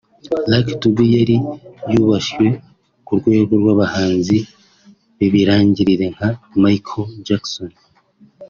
Lucky Dube yari yubashywe ku rwego rw’abahanzi b’ibirangirire nka Michael Jackson